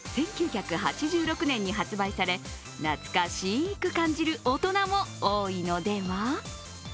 １９８６年に発売され懐かしく感じる大人も多いのでは？